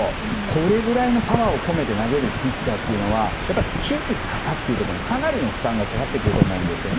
これぐらいのパワーを込めて投げるピッチャーは肘、肩というところにかなりの負担がかかってくると思います。